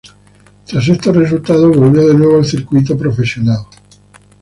Tras estos resultados, volvió de nuevo al circuito profesional.